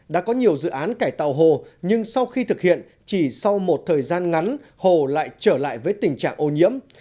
đã có nhiều dự án cải tạo hồ nhưng sau khi thực hiện chỉ sau một thời gian ngắn hồ lại trở lại với tình trạng ô nhiễm